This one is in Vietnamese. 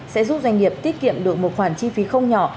sẽ giúp doanh nghiệp tiết kiệm được một khoản chi phí không nhỏ